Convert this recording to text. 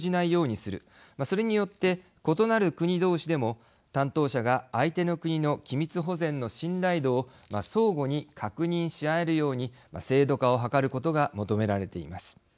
それによって異なる国同士でも担当者が相手の国の機密保全の信頼度を相互に確認し合えるように制度化を図ることが求められています。